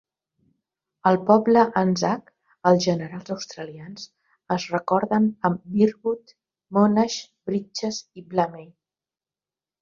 Al poble Anzac, els generals australians es recorden amb Birdwood, Monash, Bridges i Blamey.